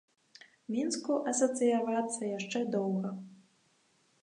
Мінску асацыявацца яшчэ доўга.